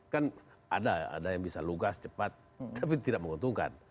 kan ada yang bisa lugas cepat tapi tidak menguntungkan